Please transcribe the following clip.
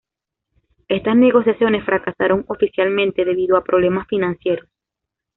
Estas negociaciones fracasaron, oficialmente debido a problemas financieros.